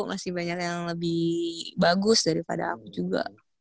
masih banyak yang lebih bagus daripada aku juga